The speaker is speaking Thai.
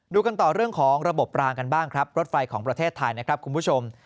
กันต่อเรื่องของระบบรางกันบ้างครับรถไฟของประเทศไทยนะครับคุณผู้ชม